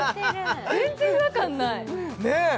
全然違和感ないねえ